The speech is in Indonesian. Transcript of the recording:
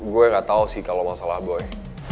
gue gak tau sih kalau masalah boy